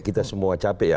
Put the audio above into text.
kita semua capek